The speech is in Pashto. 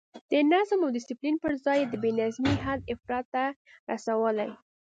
د نظم او ډسپلین پر ځای یې د بې نظمۍ حد افراط ته رسولی.